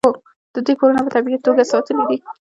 د دوی کورونه په طبیعي توګه ساتلي دي.